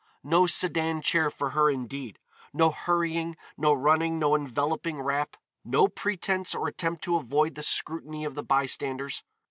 No sedan chair for her indeed. No hurrying, no running, no enveloping wrap. No pretense or attempt to avoid the scrutiny of the bystanders.